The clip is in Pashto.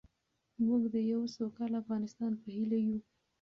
موږ د یو سوکاله افغانستان په هیله یو.